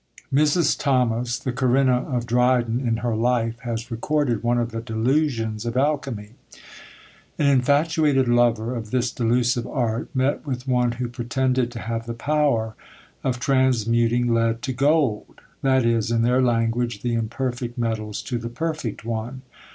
Mrs. Thomas, the Corinna of Dryden, in her Life, has recorded one of the delusions of alchymy. An infatuated lover of this delusive art met with one who pretended to have the power of transmuting lead to gold; that is, in their language, the imperfect metals to the perfect one.